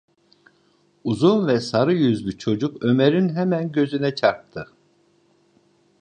Uzun ve sarı yüzlü çocuk Ömer’in hemen gözüne çarptı.